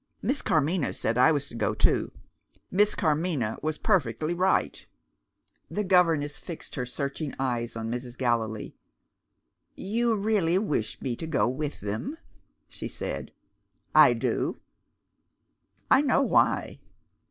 "Miss Carmina said I was to go too." "Miss Carmina was perfectly right." The governess fixed her searching eyes on Mrs. Gallilee. "You really wish me to go with them?" she said. "I do." "I know why."